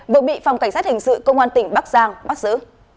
vừa bị phòng cảnh sát hình sự công an tỉnh bắc giang bắt giữ